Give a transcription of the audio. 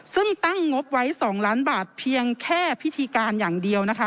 ซึ่งตั้งงบไว้๒ล้านบาทเพียงแค่พิธีการอย่างเดียวนะคะ